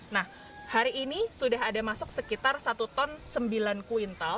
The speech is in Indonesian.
nah hari ini sudah ada masuk sekitar satu ton sembilan kuintal